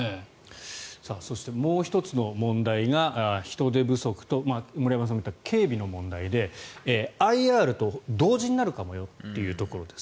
そして、もう１つの問題が人手不足と森山さんも言った警備の問題でＩＲと同時になるかもよというところです。